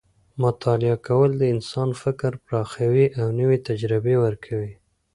مطالعه کول د انسان فکر پراخوي او نوې تجربې ورکوي.